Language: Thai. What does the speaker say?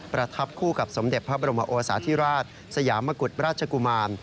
ประทับคู่กับสมเด็จพระบรมโอสาธิราชสยามกุฎราชกุมาร